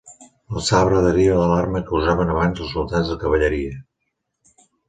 El sabre deriva de l'arma que usaven abans els soldats de cavalleria.